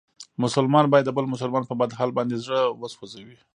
مسلمان باید د بل مسلمان په بد حال باندې زړه و سوځوي.